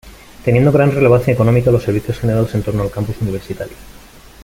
Teniendo gran relevancia económica los servicios generados en torno al campus universitario.